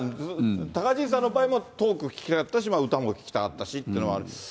たかじんさんの場合もトーク聞きたかったし、歌も聴きたかったしっていうのはある。